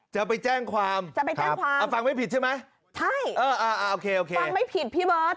จะไปแจ้งความฟังไม่ผิดใช่ไหมโอเคฟังไม่ผิดพี่บอส